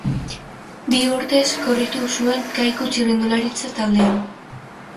Bi urtez korritu zuen Kaiku txirrindularitza taldean.